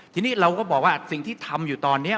ทีนี้เราก็บอกว่าสิ่งที่ทำอยู่ตอนนี้